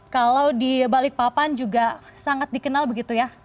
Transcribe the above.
kalau di balikpapan juga sangat dikenal begitu ya